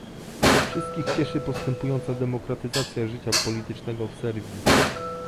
Wszystkich cieszy postępująca demokratyzacja życia politycznego w Serbii